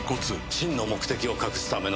真の目的を隠すための。